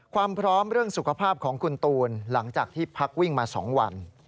ความพร้อมเรื่องสุขภาพของคุณตูนหลังจากที่พักวิ่งมา๒วัน